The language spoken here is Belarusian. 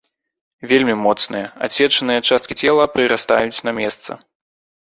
Вельмі моцныя, адсечаныя часткі цела прырастаюць на месца.